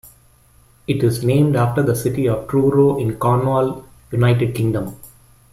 It is named after the city of Truro in Cornwall, United Kingdom.